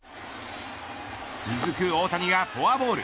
続く大谷がフォアボール。